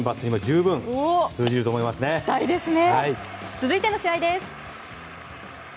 続いての試合です。